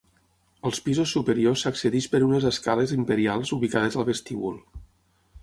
Als pisos superiors s'accedeix per unes escales imperials ubicades al vestíbul.